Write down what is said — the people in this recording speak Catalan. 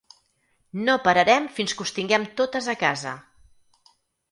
No pararem fins que us tinguem totes a casa!